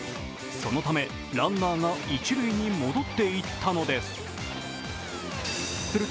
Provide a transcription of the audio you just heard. そのため、ランナーが一塁に戻っていったのです。